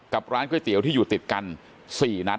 ร้านก๋วยเตี๋ยวที่อยู่ติดกัน๔นัด